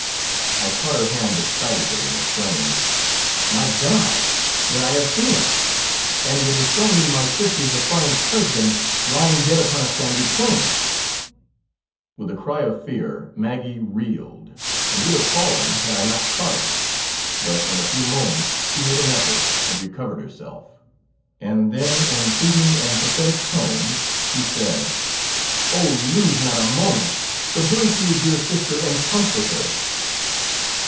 I caught her hand excitedly and exclaimed :' My God ! then I have seen it ; and it has shown me my sister's affianced husband lying dead upon a sandy plain.' With a cry of fear Maggie reeled, and would have fallen had I not caught her. But in a few moments she made an effort and recovered herself, and then in pleading and pathetic tones she said : S3 STORIES WEIRD AND WONDERFUL 1 Oh, lose not a moment, but hurry to your dear sister and comfort her